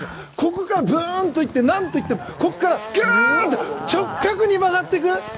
ここからブーンといって何といってもここからギューン！って直角に曲がっていく！